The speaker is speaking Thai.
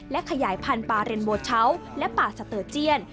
และขยายพันธุ์ปาเรนโบเช้าและป่าสเตอร์เจียน